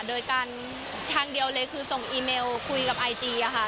โดยการทางเดียวเลยคือส่งอีเมลคุยกับไอจีอะค่ะ